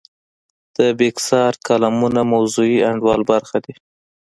د بېکسیار کالمونه موضوعي انډول برخه دي.